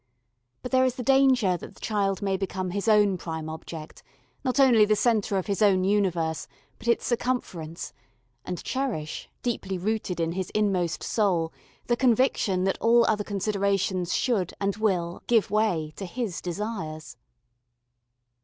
But there is the danger that the child may become his own prime object, not only the centre of his own universe, but its circumference, and cherish, deeply rooted in his inmost soul, the conviction that all other considerations should and will give way to his desires.